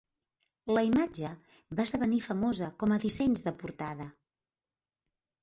La imatge va esdevenir famosa com a dissenys de portada.